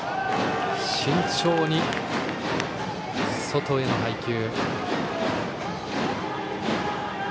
慎重に、外への配球。